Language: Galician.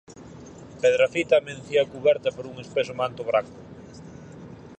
Pedrafita amencía cuberta por un espeso manto branco.